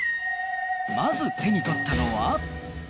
まず手に取ったのは。